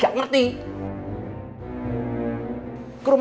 sekarang kita tinggal berdua